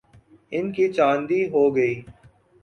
ان کی چاندی ہو گئی۔